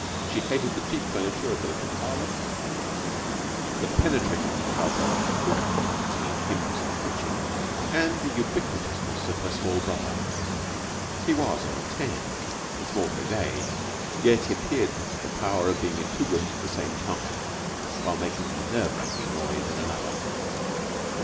She hated the cheap furniture of the little parlour, the penetrating contralto of the cook singing hymns in the kitchen, and the ubiquitousness of her small brother. He was only ten, and small for his age, yet he appeared to have the power of being in two rooms at the same time while making a nerve racking noise in another.